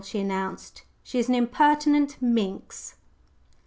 she announced. "She is an impertinent minx!"